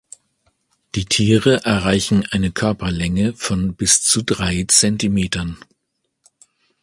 Die Tiere erreichen eine Körperlänge von bis zu drei Zentimetern.